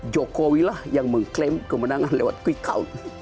jokowi lah yang mengklaim kemenangan lewat quick count